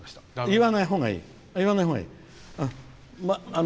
言わないほうがいい。